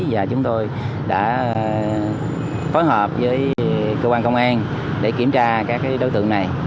và chúng tôi đã phối hợp với cơ quan công an để kiểm tra các đối tượng này